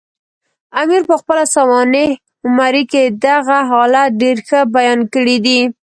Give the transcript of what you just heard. امیر پخپله سوانح عمري کې دغه حالت ډېر ښه بیان کړی دی.